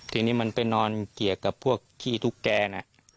ทีนี้มันไปนอนเกี่ยวกับพวกขี้ตุ๊กแกน่ะ